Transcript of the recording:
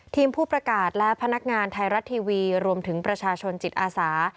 ผู้ประกาศและพนักงานไทยรัฐทีวีรวมถึงประชาชนจิตอาสา